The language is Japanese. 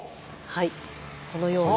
はいこのように。